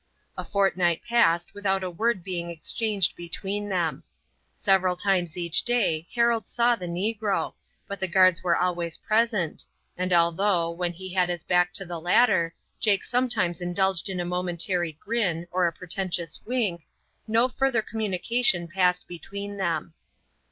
A fortnight passed without a word being exchanged between them. Several times each day Harold saw the negro, but the guards were always present, and although, when he had his back to the latter, Jake sometimes indulged in a momentary grin or a portentous wink, no further communication passed between them.